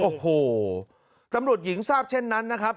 โอ้โหตำรวจหญิงทราบเช่นนั้นนะครับ